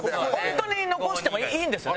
本当に残してもいいんですよね？